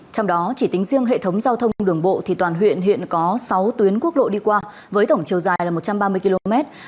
trong đó chỉ tính riêng hệ thống giao thông đường bộ thì toàn huyện hiện có sáu tuyến quốc lộ đi qua với tổng chiều dài là một trăm ba mươi km